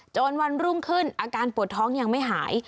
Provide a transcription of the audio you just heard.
จนวันรุ่งขึ้นอาการปวดท้องยังไม่หาย